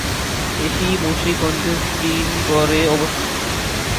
এটি মুন্সিগঞ্জের শ্রীনগরে অবস্থিত।